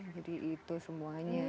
jadi itu semuanya